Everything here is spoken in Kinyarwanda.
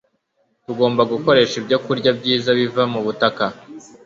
Tugomba gukoresha ibyokurya byiza biva mu butaka